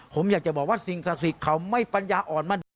ผมอยากจะบอกว่าสิ่งศักดิ์สิทธิ์เขาไม่ปัญญาอ่อนมั่น